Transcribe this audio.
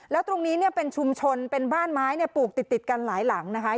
แล้วตรงนี้เนี่ยเป็นชุมชนเป็นบ้านไม้เนี่ยปลูกติดกันหลายหลังนะคะ